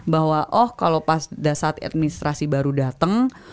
bahwa oh kalau pada saat administrasi baru datang